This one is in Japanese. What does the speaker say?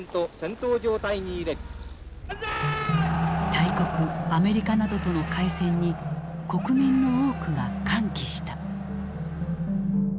大国アメリカなどとの開戦に国民の多くが歓喜した。